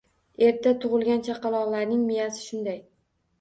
Erta tugʻilgan chaqaloqlarning miyasi shunday